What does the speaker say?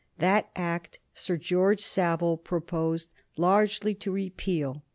That Act Sir George Savile proposed largely to repeal.